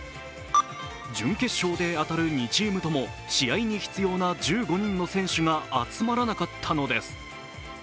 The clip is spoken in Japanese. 準決勝で当たる２チームとも試合に必要な１５人の選手が集まらなかったのです。